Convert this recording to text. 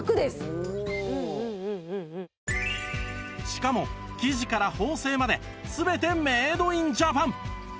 しかも生地から縫製まで全てメイド・イン・ジャパン